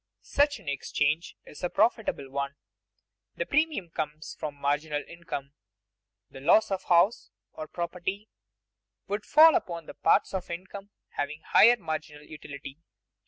Such an exchange is a profitable one. The premium comes from marginal income; the loss of house or property would fall upon the parts of income having higher marginal utility.